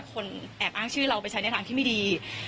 แอบอ้างชื่อเราไปใช้ในทางที่ไม่ดี